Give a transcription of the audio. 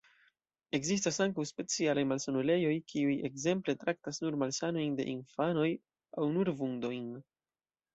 Ekzistas ankaŭ specialaj malsanulejoj, kiuj, ekzemple, traktas nur malsanojn de infanoj aŭ nur vundojn.